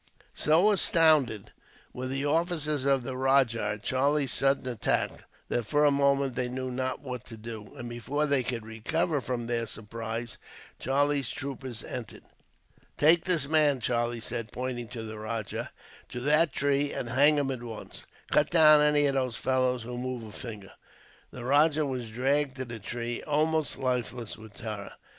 So astounded were the officers of the rajah, at Charlie's sudden attack, that for a moment they knew not what to do; and before they could recover from their surprise, Charlie's troopers entered. "Take this man," Charlie said, pointing to the rajah, "to that tree, and hang him at once. Cut down any of these fellows who move a finger." The rajah was dragged to the tree, almost lifeless with terror.